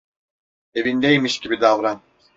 Evindeymiş gibi davran.